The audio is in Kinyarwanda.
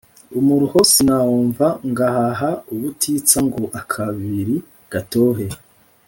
Umuruho sinawumvaNgahaha ubutitsaNgo akabiri gatohe